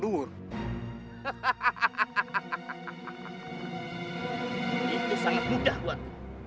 itu sangat mudah buat